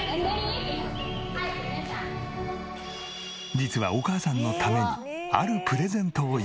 実はお母さんのためにあるプレゼントを用意。